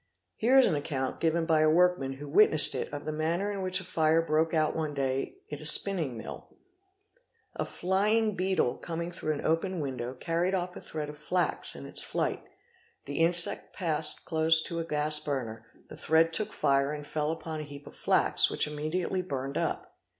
Here is an account given by a workman who witnessed it of the manner in which a fire broke out one day in a spin ning mill, A flying beetle coming through an open window carried off a thread of flax in its flight; the insect passed close to a gas burner, the thread took fire and fell upon a heap of flax, which immediately burned up.